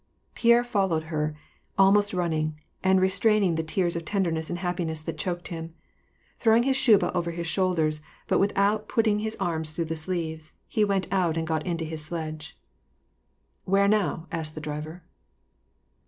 Pierre followed her, almost running, and restraining the '•'^ of tenderness and happiness that choked him. Throw ijfhis shuba over his shoulders, but without putting his arms irough the sleeves, he went out and got into his sledge. " Where now ?" asked the driver.